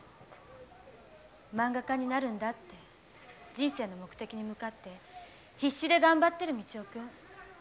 まんが家になるんだって人生の目的に向かって必死で頑張ってる道雄くん